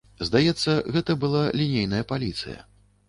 Здаецца, гэта была лінейная паліцыя.